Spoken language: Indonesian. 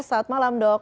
selamat malam dok